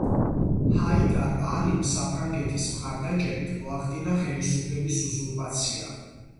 ჰაიდარ ალიმ საფრანგეთის მხარდაჭერით მოახდინა ხელისუფლების უზურპაცია.